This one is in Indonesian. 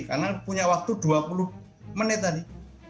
karena punya waktu dua puluh menit tadi